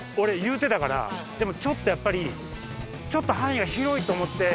でもちょっとやっぱりちょっと範囲が広いと思って。